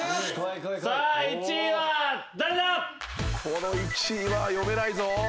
この１位は読めないぞ。